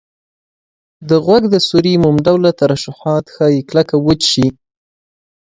د غوږ د سوري موم ډوله ترشحات ښایي کلک او وچ شي.